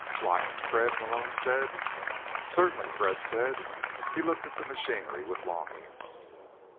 "Lying, Fred?" Malone said. "Certainly," Fred said. He looked at the machinery with longing.